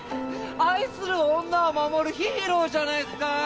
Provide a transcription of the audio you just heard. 愛する女を守るヒーローじゃないっすか！